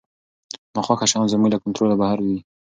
ناخوښه شیان زموږ له کنټروله بهر وي.